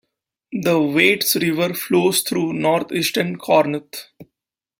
The Waits River flows through northeastern Corinth.